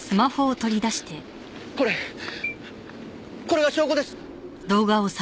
これこれが証拠です。